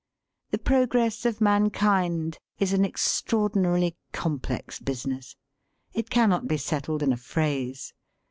The progress of mankind is an extraordinarily com plex business. It cannot be settled in a phrase.